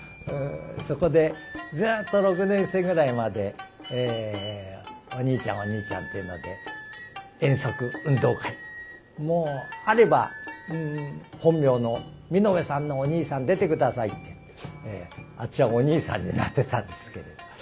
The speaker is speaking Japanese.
そこでずっと６年生ぐらいまで「おにいちゃんおにいちゃん」って言うので遠足運動会もうあれば本名の「美濃部さんのお兄さん出て下さい」って私はお兄さんになってたんですけれど。